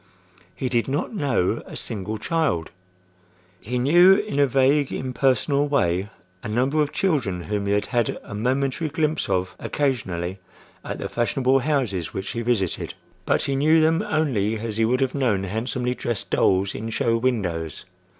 He did not know a single child.—He knew in a vague, impersonal way a number of children whom he had had a momentary glimpse of occasionally at the fashionable houses which he visited; but he knew them only as he would have known handsomely dressed dolls in show windows.